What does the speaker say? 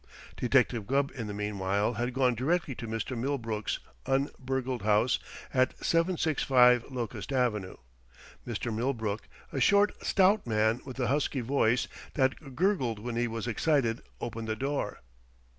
Detective Gubb in the meanwhile had gone directly to Mr. Millbrook's un burgled house at 765 Locust Avenue. Mr. Millbrook, a short, stout man with a husky voice that gurgled when he was excited, opened the door.